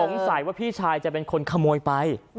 สงสัยว่าพี่ชายจะเป็นคนขโมยไป